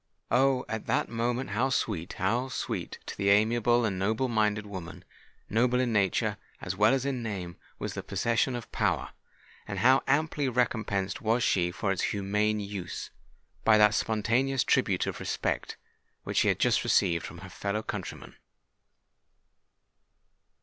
Oh! at that moment, how sweet—how sweet to the amiable and noble minded woman,—noble in nature, as well as in name,—was the possession of power;—and how amply recompensed was she for its humane use, by that spontaneous tribute of respect which she had just received from her fellow countryman!